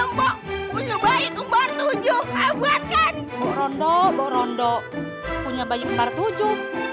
mbok punya bayi kembar tujuh buatkan rondo borondo punya bayi kembar tujuh